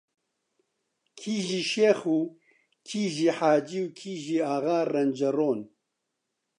کیژی شێخ و کیژی حاجی و کیژی ئاغا ڕەنجەڕۆن